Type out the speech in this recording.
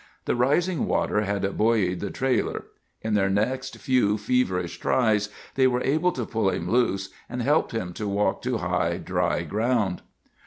The rising water had buoyed the trailer. In their next few feverish tries they were able to pull him loose and helped him to walk to high, dry ground.